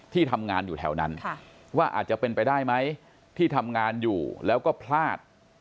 ที่ทำงานอยู่แถวนั้นว่าอาจจะเป็นไปได้ไหมที่ทำงานอยู่แล้วก็พลาด